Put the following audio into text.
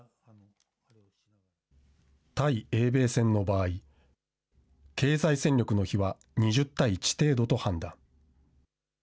対英米戦の場合、経済戦力の比は２０対１程度と判断。